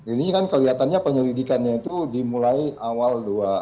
ini kan kelihatannya penyelidikannya itu dimulai awal dua ribu dua puluh tiga